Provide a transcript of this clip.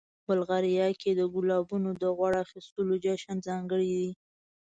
بلغاریا کې د ګلابونو د غوړ اخیستلو جشن ځانګړی دی.